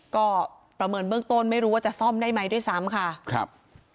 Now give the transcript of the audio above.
ก็ประเมินเบื้องต้นไม่รู้ว่าจะซ่อมได้ไหมด้วยซ้ำค่ะครับ